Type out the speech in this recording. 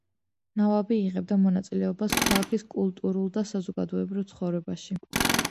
ნავაბი იღებდა მონაწილეობას ქალაქის კულტურულ და საზოგადოებრივ ცხოვრებაში.